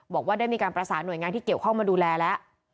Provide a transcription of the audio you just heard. บอกว่าได้มีการประสานหน่วยงานที่เกี่ยวข้องมาดูแลแล้ว